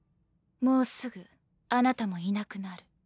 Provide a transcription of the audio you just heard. もうすぐあなたもいなくなる。